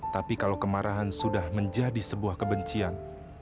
tapi kalau kemarahan sudah menjadi sebuah kebencian